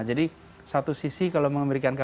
jadi satu sisi kalau mereka mengambil masker